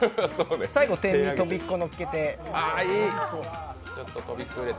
最後、天にとびっこをのっけて。